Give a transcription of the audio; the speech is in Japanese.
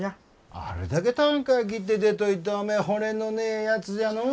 あれだけたんかあ切って出といておめえ骨のねえやつじゃのお。